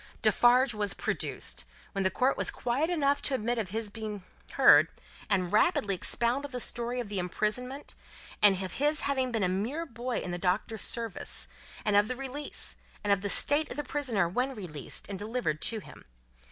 Defarge was produced, when the court was quiet enough to admit of his being heard, and rapidly expounded the story of the imprisonment, and of his having been a mere boy in the Doctor's service, and of the release, and of the state of the prisoner when released and delivered to him.